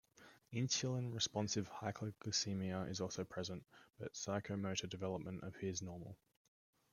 Insulin-responsive hyperglycemia is also present, but psychomotor development appears normal.